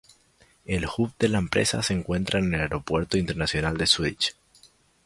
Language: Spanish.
El hub de la empresa se encuentra en el Aeropuerto Internacional de Zúrich.